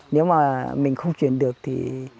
nếu mà mình không chuyển được thì